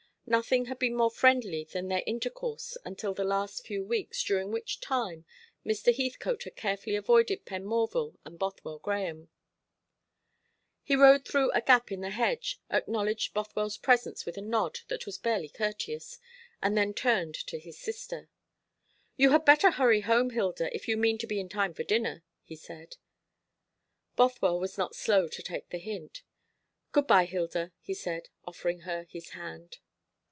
Nothing had been more friendly than their intercourse until the last few weeks, during which time Mr. Heathcote had carefully avoided Penmorval and Bothwell Grahame. He rode through a gap in the hedge, acknowledged Bothwell's presence with a nod that was barely courteous, and then turned to his sister. "You had better hurry home, Hilda, if you mean to be in time for dinner," he said. Bothwell was not slow to take the hint. "Good bye, Hilda," he said, offering her his hand.